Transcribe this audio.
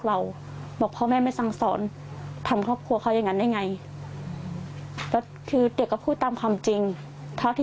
เหมือนแบบเกิดอารมณ์ตรงนั้นหรือเปล่าเราไม่ทราบ